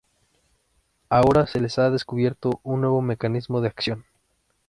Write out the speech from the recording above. Ahora, se les ha descubierto un nuevo mecanismo de acción.